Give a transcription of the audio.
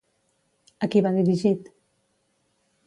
A qui va dirigit?